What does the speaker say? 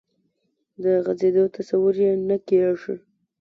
د غځېدو تصور یې نه کېږي.